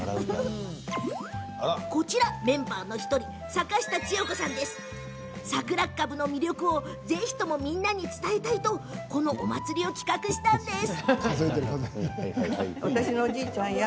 メンバーの１人坂下千代子さんはさくらっかぶの魅力をみんなに伝えたいとこのお祭りを企画しました。